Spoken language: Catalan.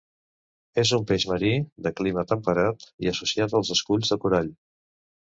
És un peix marí, de clima temperat i associat als esculls de corall.